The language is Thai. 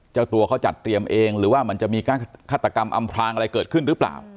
เจ้าตัวเขาจัดเตรียมเองหรือว่ามันจะมีการฆาตกรรมอำพลางอะไรเกิดขึ้นหรือเปล่า